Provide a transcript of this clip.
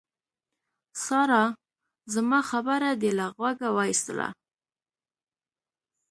سارا! زما خبره دې له غوږه واېستله.